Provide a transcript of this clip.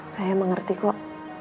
saya mengerti kok